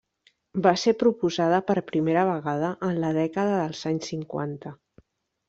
Va ser proposada per primera vegada en la dècada dels anys cinquanta.